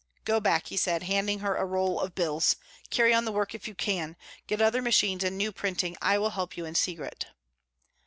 "Go back," he said, handing her a roll of bills. "Carry on the work if you can. Get other machines and new printing. I will help you in secret."